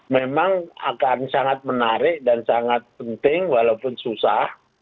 memang akan sangat menarik dan sangat penting walaupun susah